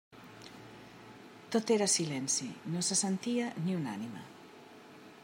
Tot era silenci, no se sentia ni una ànima.